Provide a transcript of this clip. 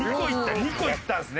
２個いったんですね！